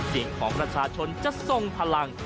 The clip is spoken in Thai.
เสียงของประชาชนจะทรงพลัง